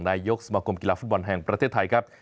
นายกสมาคมกีฬาฟุตบอลแห่งประเทศไทยครับ